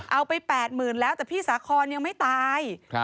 เอาไป๘๐๐๐แล้วแต่พี่สาคอนยังไม่ตาย